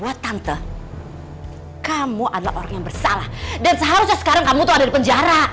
buat tante kamu adalah orang yang bersalah dan seharusnya sekarang kamu tuh ada di penjara